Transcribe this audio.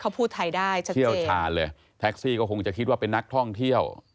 เขาพูดไทยได้ใช่ไหมเชี่ยวชาญเลยแท็กซี่ก็คงจะคิดว่าเป็นนักท่องเที่ยว